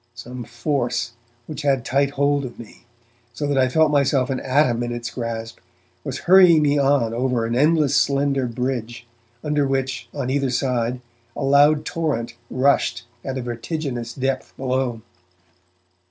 Some force, which had tight hold of me, so that I felt myself an atom in its grasp, was hurrying me on over an endless slender bridge, under which on either side a loud torrent rushed at a vertiginous depth below.